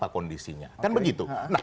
kondisinya kan begitu